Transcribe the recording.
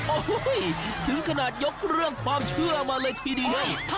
โอ้โหถึงขนาดยกเรื่องความเชื่อมาเลยทีเดียว